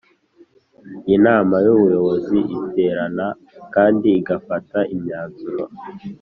inama y ubuyobozi iterana kandi igafata imyanzuro